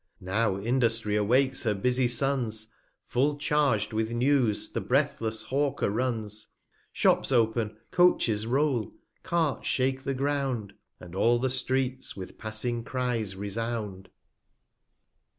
20 Now Industry awakes her busy Sons, Full charg'd with News the breathless Hawker runs: Shops open, Coaches roll, Carts shake the Ground, And all the Streets with passing Cries resound.